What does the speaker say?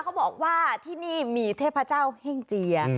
เขาบอกว่าที่นี่มีเทพเจ้าเฮ่งเจีย